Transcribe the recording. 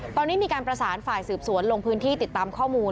ตอนนี้มีการประสานฝ่ายสืบสวนลงพื้นที่ติดตามข้อมูล